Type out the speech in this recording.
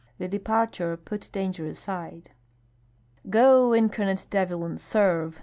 The departure put danger aside. "Go, incarnate devil, and serve!"